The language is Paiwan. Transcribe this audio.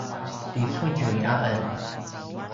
ti Cudjui a en